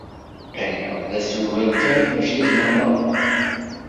Aya d assumer kan, maci d lameṛ.